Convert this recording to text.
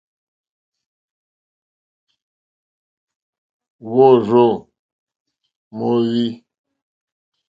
Wôrzô í mòwê.